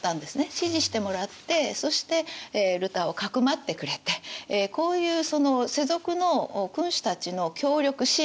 支持してもらってそしてルターをかくまってくれてこういうその世俗の君主たちの協力支援